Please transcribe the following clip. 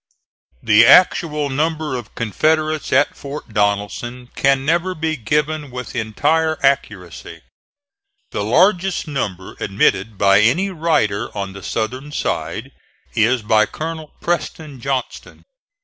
The actual number of Confederates at Fort Donelson can never be given with entire accuracy. The largest number admitted by any writer on the Southern side, is by Colonel Preston Johnston.